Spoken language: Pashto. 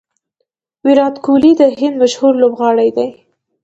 ویرات کهولي د هند مشهوره لوبغاړی دئ.